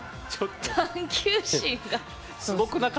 探究心が。